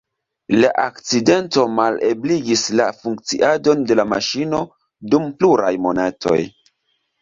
La akcidento malebligis la funkciadon de la maŝino dum pluraj monatoj.